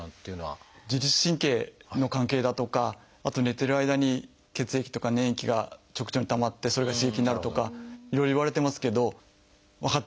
自律神経の関係だとかあと寝てる間に血液とか粘液が直腸にたまってそれが刺激になるとかいろいろいわれてますけど分かってないです。